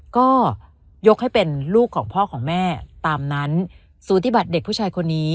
ก็ยกให้เป็นลูกของพ่อของแม่ตามนั้นสูติบัติเด็กผู้ชายคนนี้